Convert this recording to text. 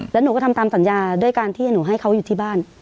แล้วหนูก็ทำตามสัญญาด้วยการที่หนูให้เขาอยู่ที่บ้าน